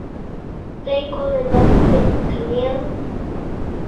— Тый колен отыл вет, кынел.